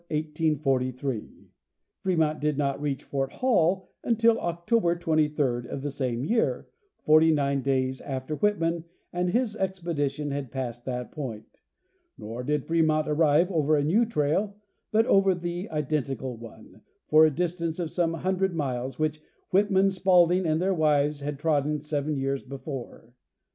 Frémont did not reach Fort Hall until October 23 of the same year, forty nine days after Whitman and his expedi tion had passed that point; nor did Frémont arrive over a new trail but over the identical one, for a distance of some hundred miles, which Whitman, Spaulding and their wives had trodden seven years before.